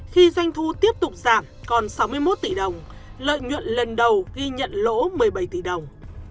khi doanh thu tiếp tục giảm còn sáu mươi một tỷ đồng lợi nhuận lần đầu ghi nhận lỗ một mươi bảy tỷ đồng